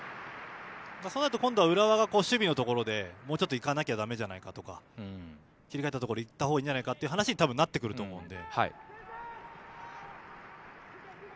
そうなると浦和が今度は守備のところでもうちょっといかなきゃだめじゃないかとか切り替えたときにいったほうがいいんじゃないかという話になってくると思うので。